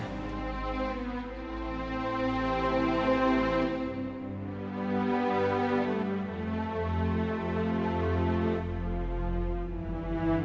aku mau ke rumah kamu